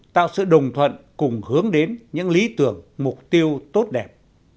tạo sự đồng thuận cùng hướng đến những lý tưởng mục tiêu tốt đẹp